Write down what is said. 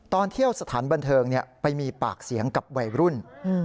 ตอนเที่ยวสถานบันเทิงไปมีปากเสียงกับวัยรุ่น